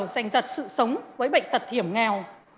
dành dật sự sống với bệnh tật hiểm nghèo